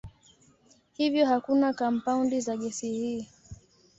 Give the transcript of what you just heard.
Hivyo hakuna kampaundi za gesi hizi.